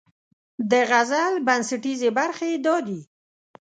د غزل بنسټیزې برخې دا دي: